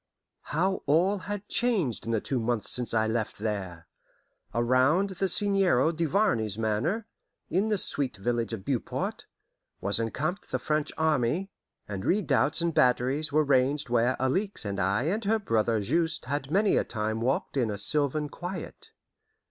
How all had changed in the two months since I left there! Around the Seigneur Duvarney's manor, in the sweet village of Beauport, was encamped the French army, and redoubts and batteries were ranged where Alixe and I and her brother Juste had many a time walked in a sylvan quiet.